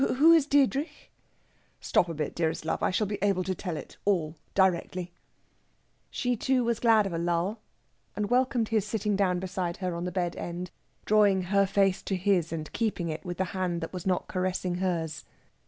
Who is Diedrich?" "Stop a bit, dearest love! I shall be able to tell it all directly." She, too, was glad of a lull, and welcomed his sitting down beside her on the bed end, drawing her face to his, and keeping it with the hand that was not caressing hers.